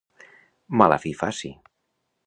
Mala fi faci!